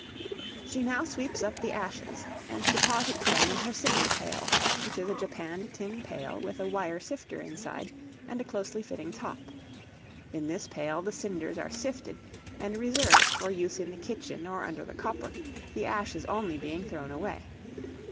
She now sweeps up the ashes, and deposits them in her cinder pail, which is a japanned tin pail, with a wire sifter inside, and a closely fitting top. In this pail the cinders are sifted, and reserved for use in the kitchen or under the copper, the ashes only being thrown away.